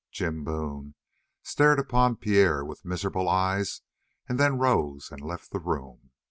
Jim Boone stared upon Pierre with miserable eyes, and then rose and left the room.